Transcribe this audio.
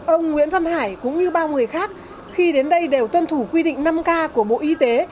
ông nguyễn văn hải cũng như bao người khác khi đến đây đều tuân thủ quy định năm k của bộ y tế